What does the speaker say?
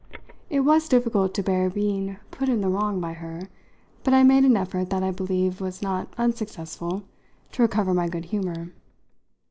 It was difficult to bear being put in the wrong by her, but I made an effort that I believe was not unsuccessful to recover my good humour.